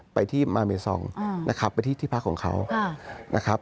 ไปที่มาเมซองนะครับไปที่ที่พักของเขานะครับ